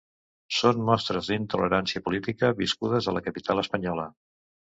Són mostres d’intolerància política viscudes a la capital espanyola.